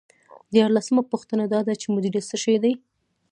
دیارلسمه پوښتنه دا ده چې مدیریت څه شی دی.